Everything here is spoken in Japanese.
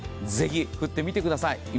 ぜひ振ってみてください。